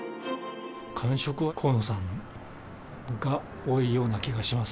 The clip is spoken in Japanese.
感触は河野さんが多いような気がします。